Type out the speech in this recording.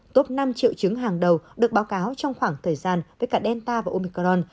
top năm triệu chứng hàng đầu được báo cáo trong khoảng thời gian với cả delta và omicron